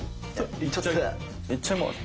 いっちゃいます。